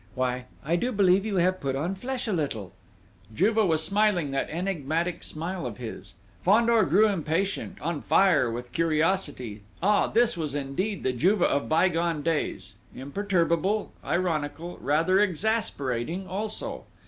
Why, I do believe you have put on flesh a little!" Juve was smiling that enigmatic smile of his. Fandor grew impatient, on fire with curiosity. Ah, this was indeed the Juve of bygone days, imperturbable, ironical, rather exasperating also!